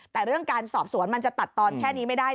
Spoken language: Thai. แต่เรื่องการสอบสวนมันจะตัดตอนแค่นี้ไม่ได้